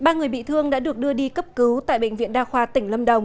ba người bị thương đã được đưa đi cấp cứu tại bệnh viện đa khoa tây nguyên hồ xuân hương